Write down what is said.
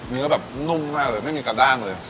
เนื้อแบบนุ่มมากเลยไม่มีกระด้างเลย